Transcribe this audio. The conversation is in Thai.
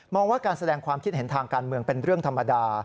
ว่าการแสดงความคิดเห็นทางการเมืองเป็นเรื่องธรรมดา